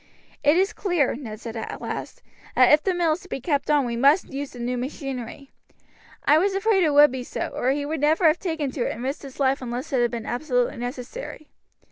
"It is clear," Ned said at last, "that if the mill is to be kept on we must use the new machinery. I was afraid it would be so, or he would never have taken to it and risked his life unless it had been absolutely necessary.